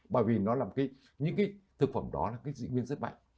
bởi vì những cái thực phẩm đó là cái dị nguyên rất mạnh